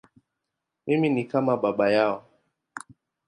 Mimi ni kama baba yao.